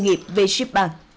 nghiệp về ship bank